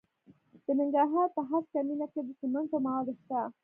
د ننګرهار په هسکه مینه کې د سمنټو مواد شته.